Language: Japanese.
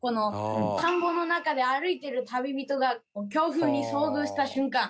田んぼの中で歩いている旅人が強風に遭遇した瞬間。